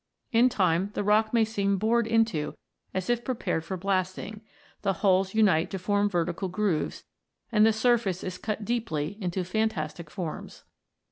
In time the rock may seem bored into as if prepared for blasting ; the holes unite to form vertical grooves, and the surface is cut deeply into fantastic forms.